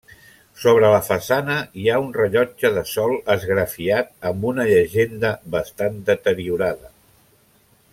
Sobre la façana hi ha un rellotge de sol esgrafiat amb una llegenda bastant deteriorada.